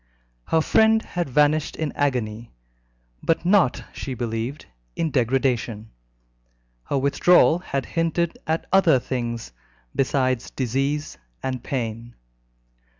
Her friend had vanished in agony, but not, she believed, in degradation. Her withdrawal had hinted at other things besides disease and pain.